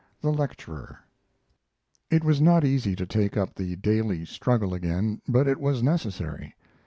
THE LECTURER It was not easy to take up the daily struggle again, but it was necessary.